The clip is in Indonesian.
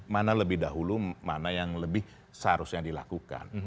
mana lebih dahulu mana yang lebih seharusnya dilakukan